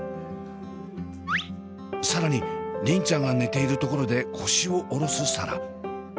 更に梨鈴ちゃんが寝ているところで腰を下ろす紗蘭。